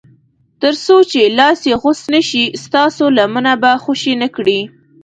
تر څو چې لاس یې غوڅ نه شي ستاسو لمنه به خوشي نه کړي.